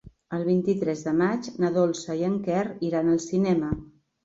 El vint-i-tres de maig na Dolça i en Quer iran al cinema.